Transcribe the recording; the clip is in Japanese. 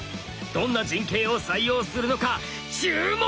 どんな陣形を採用するのか注目です！